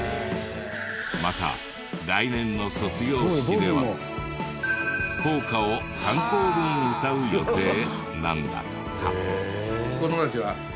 また来年の卒業式では校歌を３校分歌う予定なんだとか。